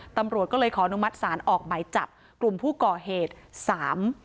ตำรวจก็เลยขออนุมัติศาลออกหมายจับกลุ่มผู้ก่อเหตุสาม